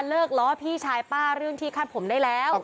ล้อพี่ชายป้าเรื่องที่คาดผมได้แล้ว